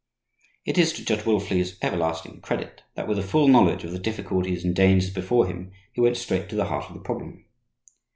It is to Judge Wilfley's everlasting credit that, with a full knowledge of the difficulties and dangers before him, he went straight to the heart of the problem.